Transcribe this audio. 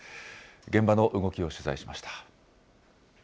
現場の動きを取材しました。